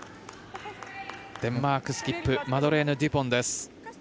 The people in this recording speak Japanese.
デンマークスキップマドレーヌ・デュポンです。